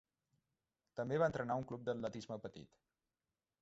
També va entrenar un club d'atletisme petit.